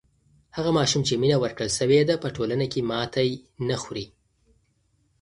هغه ماشوم چې مینه ورکړل سوې ده په ټولنه کې ماتی نه خوری.